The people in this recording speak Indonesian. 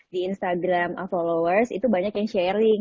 di instagram followers itu banyak yang sharing